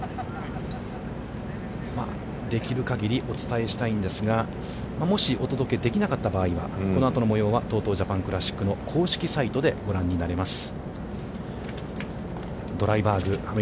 できる限りお伝えしたいんですが、もしお届けできなかった場合は、このあとの模様は、ＴＯＴＯジャパンクラシックの公式サイトでご覧になれます。